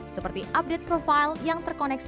seperti update profile yang terkoneksi